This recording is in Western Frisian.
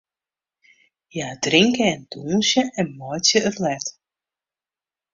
Hja drinke en dûnsje en meitsje it let.